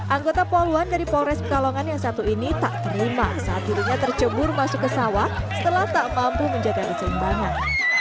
anggota poluan dari polres pekalongan yang satu ini tak terima saat dirinya tercebur masuk ke sawah setelah tak mampu menjaga keseimbangan